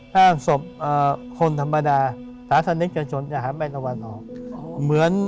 ถ้าศพคนธรรมดาศาสนิทชนชนอย่าหาแม่ชิสวรรค์ศพออก